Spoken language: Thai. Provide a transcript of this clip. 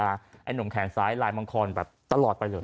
ไอ้หนุ่มแขนซ้ายไอ้มังกรพรศักดิ์ตลอดไปเลย